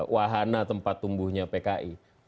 wahana tempat tumbuhnya pki